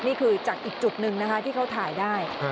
นี่คือจากอีกจุดหนึ่งนะคะที่เขาถ่ายได้